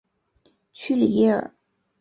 屈里耶尔。